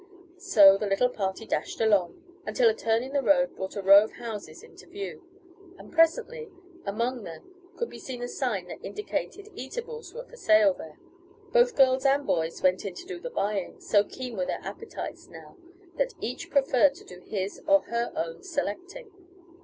So the little party dashed along, until a turn in the road brought a row of houses into view, and presently, among them, could be seen a sign that indicated eatables were for sale there. Both girls and boys went in to do the buying so keen were their appetites now that each preferred to do his or her own selecting.